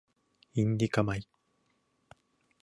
インディカ米